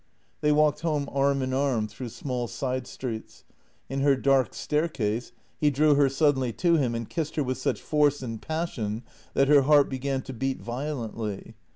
They walked home arm in arm through small side streets. In her dark staircase he drew her suddenly to him, and kissed her with such force and passion that her heart began to beat violently.